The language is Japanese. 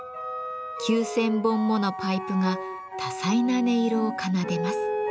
９，０００本ものパイプが多彩な音色を奏でます。